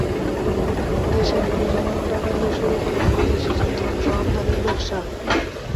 দেশে ফিরে জমানো টাকা দিয়ে শুরু করেন বিদেশি যন্ত্রাংশ আমদানির ব্যবসা।